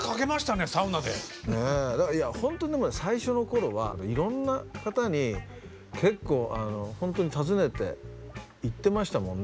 ねえいやほんとでもね最初の頃はいろんな方に結構ほんとに訪ねて行ってましたもんね。